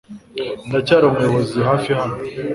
Ndacyari umuyobozi hafi hano .